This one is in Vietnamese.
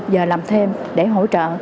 giờ làm thêm để hỗ trợ